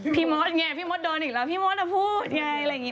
มดไงพี่มดโดนอีกแล้วพี่มดพูดไงอะไรอย่างนี้